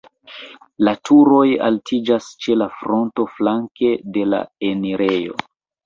La turoj altiĝas ĉe la fronto flanke de la enirejo.